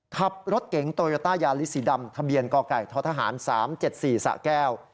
ขับรถเก๋งโตโยต้ายาลิสสีดำทะเบียนกไก่ททหาร๓๗๔สะแก้ว